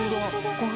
ご飯。